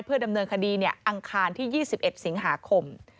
ดำเนินคดีอังคารที่๒๑สิงหาคม